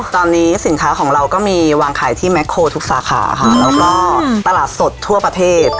ตอนนี้สินค้าของเราก็มีวางขายที่แคลทุกสาขาค่ะแล้วก็ตลาดสดทั่วประเทศ